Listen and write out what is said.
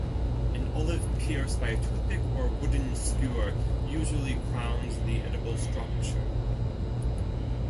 An olive pierced by a toothpick or wooden skewer usually crowns the edible structure.